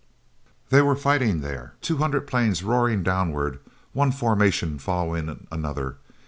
They were fighting there—two hundred planes roaring downward, one formation following another.